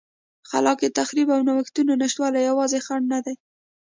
خلاق تخریب او نوښتونو نشتوالی یوازینی خنډ نه دی